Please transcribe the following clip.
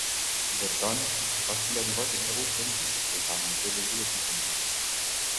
Bertan, argazkilari bat ezagutzen du eta maitemindu egiten da.